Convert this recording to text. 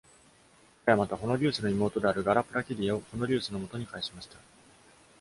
彼はまた、ホノリウスの妹であるガラ・プラキディアをホノリウスの元に返しました。